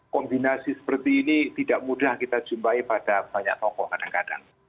kombinasi seperti ini tidak mudah kita jumpai pada banyak tokoh kadang kadang